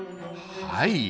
はい。